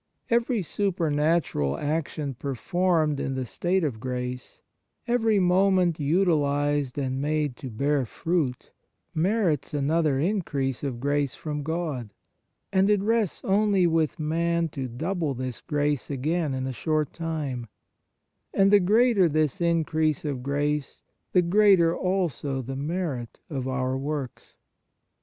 Every supernatural action performed in the state of grace, every moment utilized and made to bear fruit, merits another increase of grace from God ; and it rests only with man to double this grace again in a short time, and the greater this increase of grace the greater also the merit of our works.